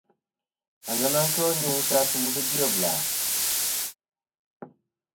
Aŋena kel nyuŋsɨ atu sɨ dyebla.